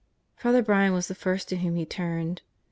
Father Brian was the first to whom he turned.